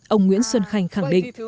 ông nguyễn xuân khanh khẳng định